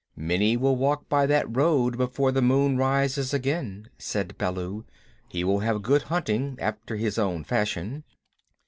"Many will walk by that road before the moon rises again," said Baloo. "He will have good hunting after his own fashion."